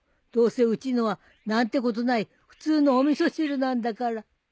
どうせうちのは何てことない普通のお味噌汁なんだから。